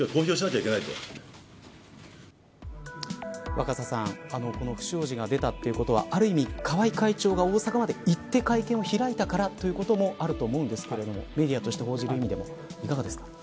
若狭さん不祥事が出たということはある意味、川合会長が大阪まで行って会見を開いたからということもあると思うんですがメディアとして報じる意味でもいかがですか。